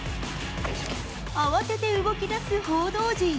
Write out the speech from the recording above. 慌てて動きだす報道陣。